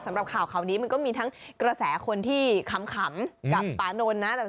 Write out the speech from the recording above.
สำหรับข่าวนี้มันก็มีทั้งกระแสคนที่ขำกับปานนท์นะ